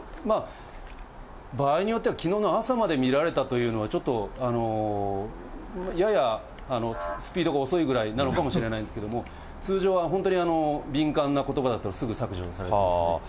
場合によってはきのうの朝まで見られたというのはちょっと、ややスピードが遅いぐらいなのかもしれないですけど、通常は本当に敏感なことばだとすぐ削除されますね。